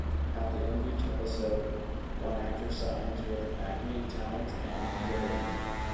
At the end of each episode, one actor signs with Acme Talent and Literary.